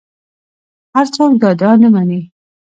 هر څوک دا ادعا نه مني